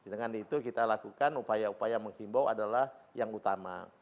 dengan itu kita lakukan upaya upaya menghimbau adalah yang utama